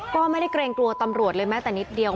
ก็ไม่ได้เกรงกลัวตำรวจเลยแม้แต่นิดเดียว